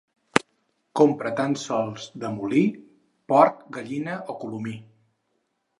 Compra tan sols de molí, porc, gallina o colomí.